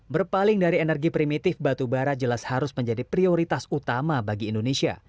berpaling dari energi primitif batu bara jelas harus menjadi prioritas utama bagi indonesia